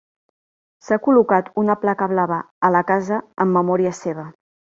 S'ha col·locat una placa blava a la casa en memòria seva.